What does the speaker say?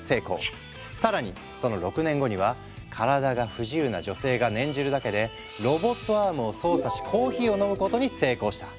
更にその６年後には体が不自由な女性が念じるだけでロボットアームを操作しコーヒーを飲むことに成功した。